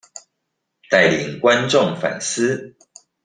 帶領觀眾反思